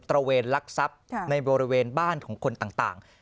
ระเวนลักทรัพย์ในบริเวณบ้านของคนต่าง